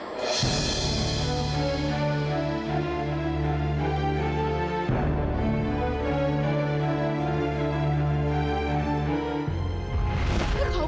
kau pembunuh ayah saya